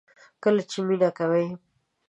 کله چې مینه کوئ